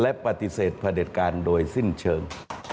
และปฏิเสธพระเด็จการโดยสิ้นเชิง